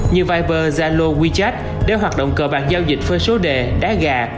như viber zalo wechat để hoạt động cơ bản giao dịch phơi số đề đá gà